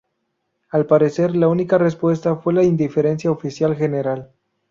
Al parecer, la única respuesta fue la indiferencia oficial general.